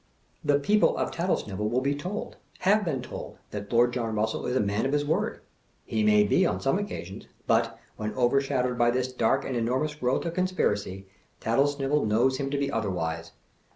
The people of Tattlesnivel will be told, have been told, that Lord John Russell is a man of his word. He may be, on some occasions ; but, when overshadowed by this dark and enormous growth of conspiracy, Tattlesnivel knows "the TATTLESNrVEL BLEATEE." 303 him to be otherwise.